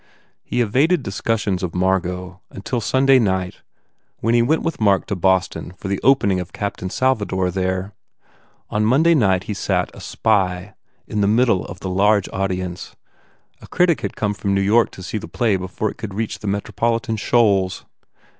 He evaded discussions of Margot until Sunday night when he went with Mark to Boston for the opening of u Captain Salvador" there. On Monday night he sat, a spy, in the middle of the large audience. A critic had come from New York to see this play before it should reach the metropolitan shoals.